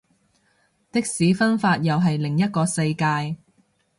的士分法又係另一個世界